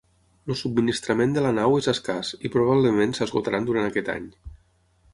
El subministrament de la nau és escàs i probablement s’esgotaran durant aquest any.